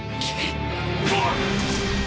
うわっ！